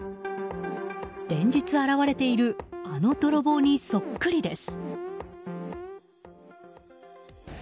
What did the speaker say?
連日現れている、あの泥棒にそっくりです。